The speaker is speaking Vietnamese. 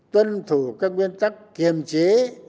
tuân thủ các nguyên tắc kiềm chế